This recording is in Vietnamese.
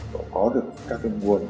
để có được các tên nguồn